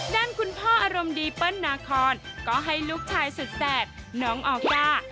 ด้านคุณพ่ออารมณ์ดีเปิ้ลนาคอนก็ให้ลูกชายสุดแสบน้องออก้า